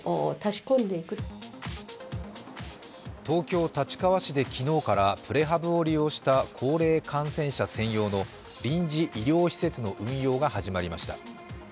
東京・立川市で昨日からプレハブを利用した高齢感染者専用の臨時医療施設の運用が始まりました。